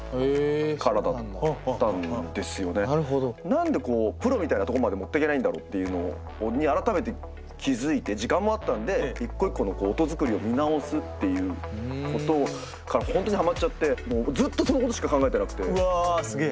何でこうプロみたいなとこまで持ってけないんだろうっていうのに改めて気付いて時間もあったんで一個一個の音作りを見直すっていうことから本当にハマっちゃってずっとそのことしか考えてなくて。